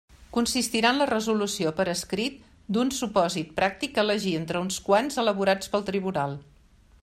Consistirà en la resolució per escrit d'un supòsit pràctic a elegir entre uns quants elaborats pel tribunal.